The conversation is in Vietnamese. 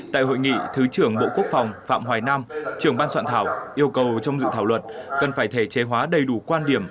tại hội nghị thứ trưởng bộ quốc phòng phạm hoài nam trưởng ban soạn thảo yêu cầu trong dự thảo luật cần phải thể chế hóa đầy đủ quan điểm